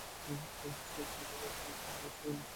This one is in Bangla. সংস্কৃত শব্দ "বাসমতী" মানে "সুগন্ধযুক্ত"।